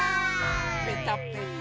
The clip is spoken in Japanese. ぺたぺた。